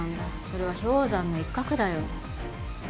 それは氷山の一角だよ